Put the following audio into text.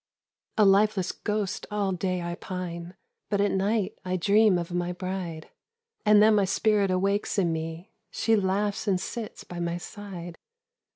"A lifeless ghost all day I pine, But at night I dream of my bride, And then my spirit awakes in me. She laughs and sits by my side.